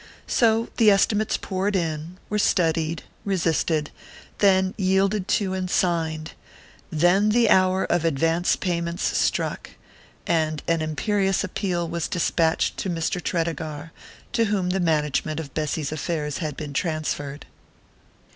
So the estimates poured in, were studied, resisted then yielded to and signed; then the hour of advance payments struck, and an imperious appeal was despatched to Mr. Tredegar, to whom the management of Bessy's affairs had been transferred.